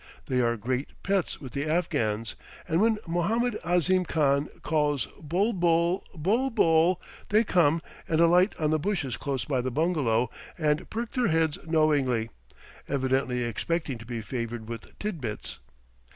They are great pets with the Afghans, and when Mohammed Ahzim Khan calls "bul bul, bul bul," they come and alight on the bushes close by the bungalow and perk their heads knowingly, evidently expecting to be favored with tid bits.